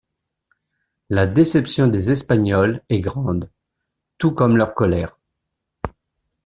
La déception des Espagnols est grande, tout comme leur colère.